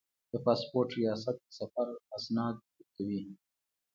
د پاسپورت ریاست د سفر اسناد ورکوي